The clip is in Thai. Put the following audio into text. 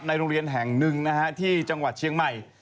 โรงเรียนแห่งหนึ่งนะฮะที่จังหวัดเชียงใหม่